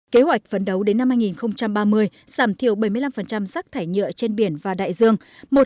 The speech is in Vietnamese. kế hoạch vấn đấu đến năm hai nghìn ba mươi giảm thiểu bảy mươi năm rác thải nhựa trên biển và đại dương